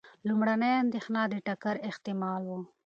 لومړنۍ اندېښنه د ټکر احتمال و.